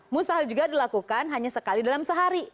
mustahil juga dilakukan hanya sekali dalam sehari